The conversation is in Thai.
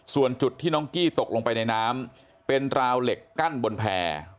ส่วนจุดที่น้องกี้ตกลงไปในน้ำเป็นราวเหล็กกั้นบนแพร่